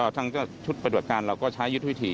ทั้งชุดประจวดการณ์เราก็ใช้ยุทธวิธี